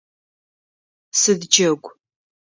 Сыд джэгу?